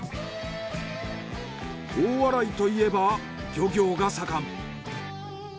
大洗といえば漁業が盛ん。